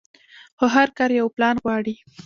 خو هر کار يو پلان غواړي.